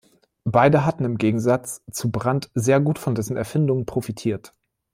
Beide hatten im Gegensatz zu Brand sehr gut von dessen Erfindung profitiert.